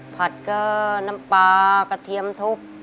ผัดก็น้ำปลากระเทียมทุบ